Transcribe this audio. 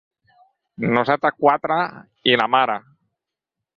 Nosaltres quatre, i la mare.